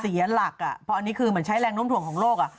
เสียหลักเพราะอันนี้คือเหมือนใช้แรงน้มถ่วงของโลก